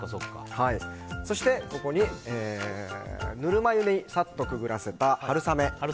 そして、ここにぬるま湯にさっとくぐらせた春雨。